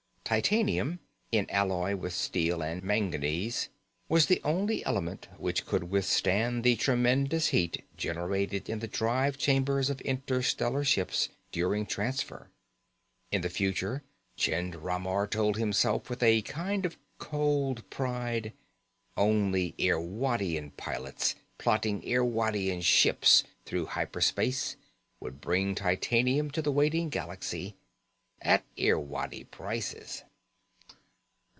Titanium, in alloy with steel and manganese, was the only element which could withstand the tremendous heat generated in the drive chambers of interstellar ships during transfer. In the future, Chind Ramar told himself with a kind of cold pride, only Irwadian pilots, piloting Irwadian ships through hyper space, would bring titanium to the waiting galaxy. At Irwadi prices.